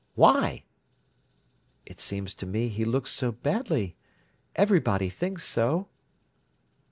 "Why?" "It seems to me he looks so badly. Everybody thinks so."